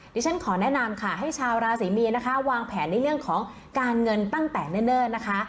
ดิฉันขอแนะนำค่ะให้ชาวราศรีมีนนะคะวางแผนในเรื่องของการเงินตั้งแต่เนิ่นนะคะ